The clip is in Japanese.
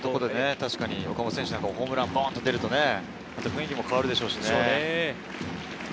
確かに岡本選手、ホームランがポンと出ると雰囲気も変わるでしょうしね。